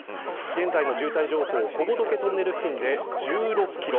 現在の渋滞情報小仏トンネル付近で１６キロ。